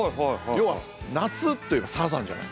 要は夏といえばサザンじゃない。